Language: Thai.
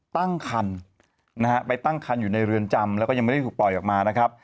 ตั้งคันนะฮะไปตั้งคันอยู่ในเรือนจำแล้วก็ยังไม่ได้ถูกปล่อยออกมานะครับ